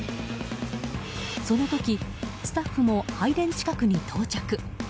その時、スタッフも拝殿近くに到着。